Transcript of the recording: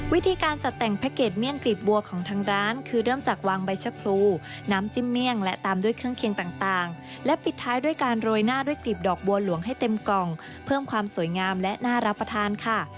วิธีการจัดแต่งแพ็คเกจเลี่ยงกลีบบัวของทางร้านคือเริ่มจากวางใบชะพรูน้ำจิ้มเมี่ยงและตามด้วยเครื่องเคียงต่างและปิดท้ายด้วยการโรยหน้าด้วยกลีบดอกบัวหลวงให้เต็มกล่องเพิ่มความสวยงามและน่ารับประทานค่ะ